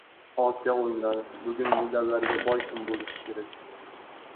Osiyo o‘yinlari. Bugun medallarga boy kun bo‘lishi kerak